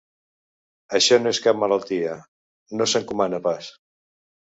Això no és cap malaltia, no s’encomana pas.